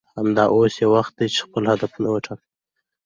همدا اوس یې وخت دی چې خپل هدفونه وټاکئ